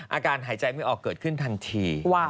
อาการหายใจไม่ออกเกิดขึ้นทันที